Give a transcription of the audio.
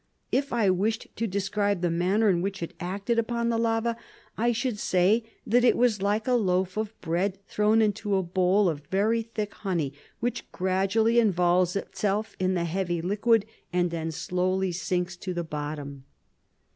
If I wished to describe the manner in which it acted upon the lava, I should say that it was like a loaf of bread thrown into a bowl of very thick honey, which gradually involves itself in the heavy liquid and then slowly sinks to the bottom."